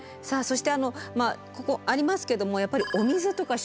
そしてここありますけどもやっぱりお水とか